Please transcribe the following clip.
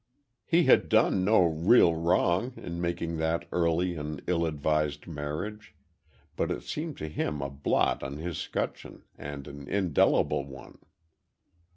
"He had done no real wrong, in making that early and ill advised marriage, but it seemed to him a blot on his scutcheon, and an indelible one.